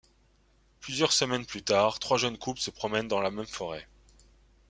Plusieurs semaines plus tard, trois jeunes couples se promènent dans la même forêt.